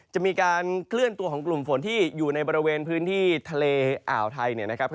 จะมีการเคลื่อนตัวของกลุ่มฝนที่อยู่ในบริเวณพื้นที่ทะเลอ่าวไทยเนี่ยนะครับ